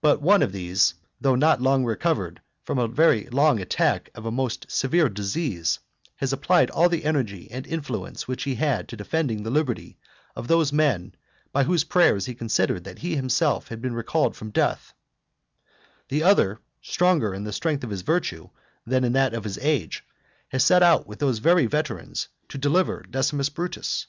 But the one of these, though not long recovered from a very long attack of a most severe disease, has applied all the energy and influence which he had to defending the liberty of those men by whose prayers he considered that he himself had been recalled from death; the other, stronger in the strength of his virtue than in that of his age, has set out with those very veterans to deliver Decimus Brutus.